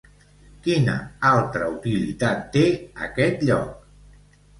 Quina altra utilitat té aquest lloc?